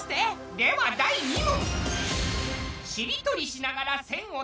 では第２問！